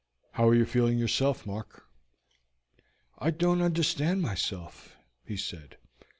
How are you feeling yourself, Mark?" "I don't understand myself," he said.